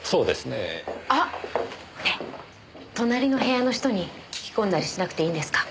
ねえ隣の部屋の人に聞き込んだりしなくていいんですか？